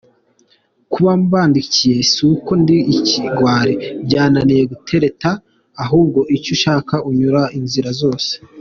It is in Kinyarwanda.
Kuba mbandikiye si uko ndi ikigwari byananiye gutereta ahubwo icyo ushaka unyura inzira zose.